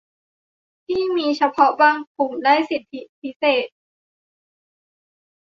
ที่มีเฉพาะบางกลุ่มได้สิทธิพิเศษ